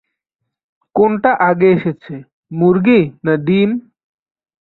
কোনটা আগে এসেছে, মুর্গি না ডিম?